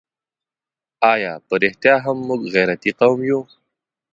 آیا په رښتیا هم موږ غیرتي قوم یو؟